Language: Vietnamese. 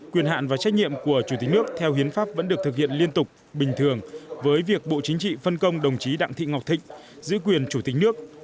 quyền hạn và trách nhiệm của chủ tịch nước theo hiến pháp vẫn được thực hiện liên tục bình thường với việc bộ chính trị phân công đồng chí đặng thị ngọc thịnh giữ quyền chủ tịch nước